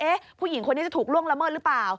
ผู้หญิงคนนี้จะถูกล่วงละเมิดหรือเปล่า